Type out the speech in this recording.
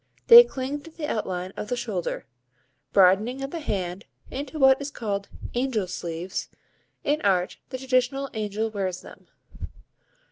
They cling to the outline of the shoulder, broadening at the hand into what is called "angel" sleeves; in art, the traditional angel wears them.